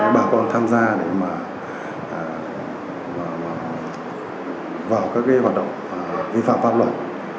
bà còn tham gia để mà vào các cái hoạt động vi phạm pháp luật